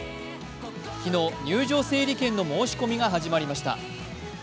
昨日、入場整理券の申し込みが始まりました。